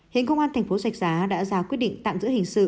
hình công an thành phố rạch giá đã ra quyết định tạm giữ hình sự